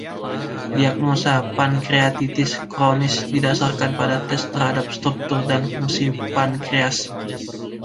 Diagnosa pankreatitis kronis didasarkan pada tes terhadap struktur dan fungsi pankreas.